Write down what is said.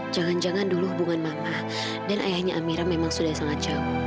jangan jangan dulu hubungan mama dan ayahnya amira memang sudah sangat jauh